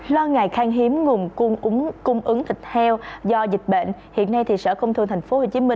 lo ngại khang hiếm nguồn cung ứng thịt heo do dịch bệnh hiện nay sở công thương tp hcm